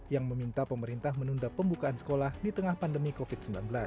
yang meminta pemerintah menunda pembukaan sekolah di tengah pandemi covid sembilan belas